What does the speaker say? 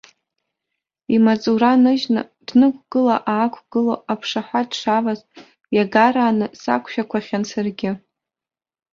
Имаҵура ныжьны, днықәгыла-аақәгыло аԥшаҳәа дшаваз иагарааны сақәшәақәахьан саргьы.